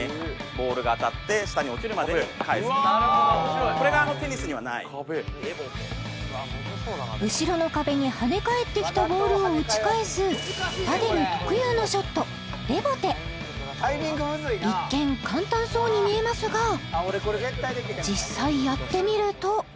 ボールが当たって下に落ちるまでに返すとこれがテニスにはない後ろの壁に跳ね返ってきたボールを打ち返すパデル特有のショットレボテ一見簡単そうに見えますがあ